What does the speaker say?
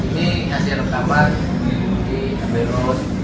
ini hasil rekaman di amelio dan di indonesia